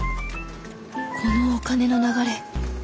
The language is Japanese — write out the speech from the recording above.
このお金の流れ